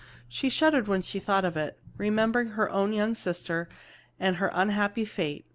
She shuddered when she thought of it, remembering her own young sister and her unhappy fate.